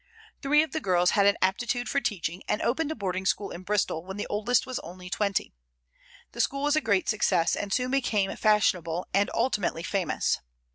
Three of the girls had an aptitude for teaching, and opened a boarding school in Bristol when the oldest was only twenty. The school was a great success, and soon became fashionable, and ultimately famous.